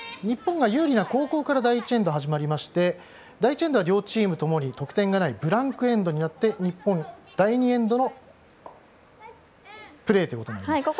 日本が有利な後攻から第１エンドが始まりまして第１エンドは両チームとも得点がないブランクエンドになり日本第２エンドのプレーとなりますね。